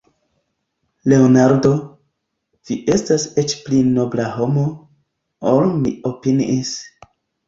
Leonardo, vi estas eĉ pli nobla homo, ol mi opiniis.